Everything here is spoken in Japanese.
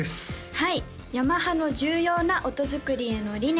はいヤマハの重要な音づくりへの理念